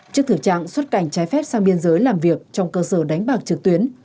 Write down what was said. trước thử trạng xuất cảnh trái phép sang biên giới làm việc trong cơ sở đánh bạc trực tuyến